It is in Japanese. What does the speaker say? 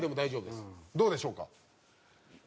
どうでしょうか？